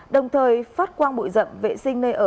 đồng thời phát quang bụi rậm vệ sinh nơi ở